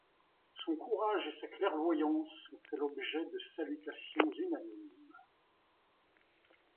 Son courage et sa clairvoyance ont fait l'objet de salutations unanimes.